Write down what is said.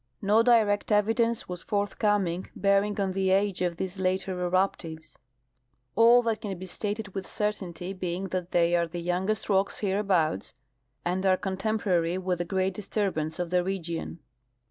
No direct evidence was forthcoming, bearing on the age of these later eruptives ; all that can be stated with certainty being that they are the youngest rocks hereabouts and are contemporary Avith a great disturbance of the region.